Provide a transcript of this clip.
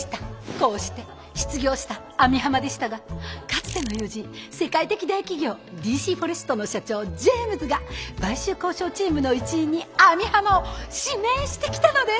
こうして失業した網浜でしたがかつての友人世界的大企業ＤＣフォレストの社長ジェームズが買収交渉チームの一員に網浜を指名してきたのです。